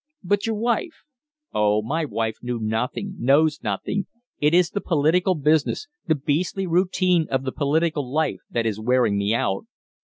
"But your wife?" "Oh, my wife knew nothing knows nothing. It is the political business, the beastly routine of the political life, that is wearing me out."